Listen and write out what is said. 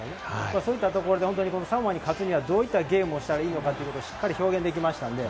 そういったところで、サモアに勝つにはどういったゲームをしたらいいのか、しっかり表現できました。